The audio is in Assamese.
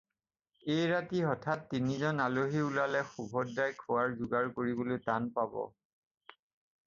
এই ৰাতি হঠাৎ তিনিজন আলহী ওলালে সুভদ্ৰাই খোৱাৰ যোগাৰ কৰিবলৈ টান পাব।